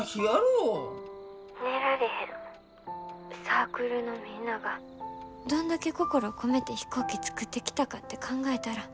サークルのみんながどんだけ心込めて飛行機作ってきたかって考えたら。